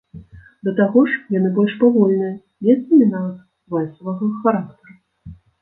Да таго ж, яны больш павольныя, месцамі нават вальсавага характару.